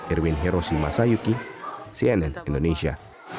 irwin hiroshi masayuki cnn indonesia